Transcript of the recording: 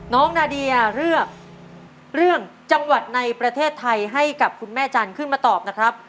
นาเดียเลือกเรื่องจังหวัดในประเทศไทยให้กับคุณแม่จันทร์ขึ้นมาตอบนะครับ